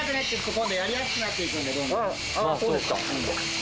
あっそうですか。